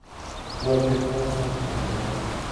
Walter Thompson de Ecuador.